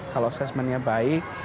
kalau asesmennya baik